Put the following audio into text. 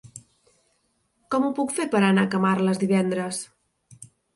Com ho puc fer per anar a Camarles divendres?